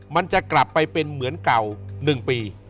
มันจะกลับไปเป็นเหมือนเก่า๑ปี